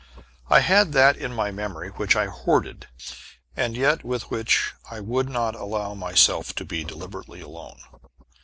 I had that in my memory which I hoarded, and yet with which I would not allow myself to be deliberately alone.